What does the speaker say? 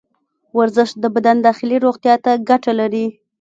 ورزش د بدن داخلي روغتیا ته ګټه لري.